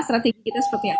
strategi kita seperti apa